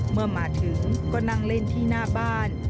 เมื่อมาถึงก็นั่งเล่นที่หน้าบ้าน